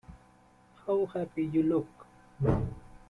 How happy you look.